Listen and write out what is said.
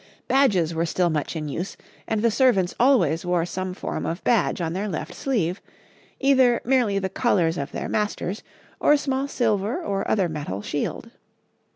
Badges were still much in use, and the servants always wore some form of badge on their left sleeve either merely the colours of their masters, or a small silver, or other metal, shield.